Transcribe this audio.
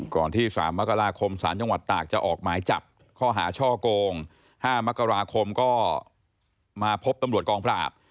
ก่อนที่๓มกราคมสารจังหวัดตากจะออกหมายจับข้อหาช่อโกง๕มกราคมก็มาพบตำรวจกองปราบ